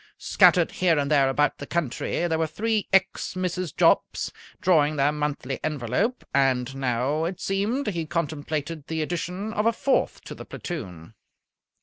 Scattered here and there about the country there were three ex Mrs. Jopps, drawing their monthly envelope, and now, it seemed, he contemplated the addition of a fourth to the platoon.